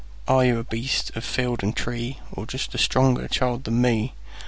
Are you a beast of field and tree, Or just a stronger child than me?